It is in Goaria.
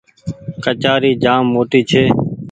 ڪچآري جآم موٽي ڇي۔